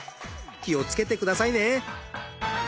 気をつけてくださいね。